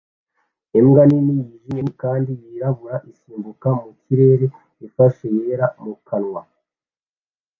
Imbwa nini yijimye kandi yirabura isimbukira mu kirere ifashe yera mu kanwa